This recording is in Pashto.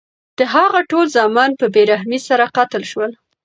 د هغه ټول زامن په بې رحمۍ سره قتل شول.